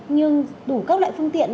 nhưng đủ các loại phương tiện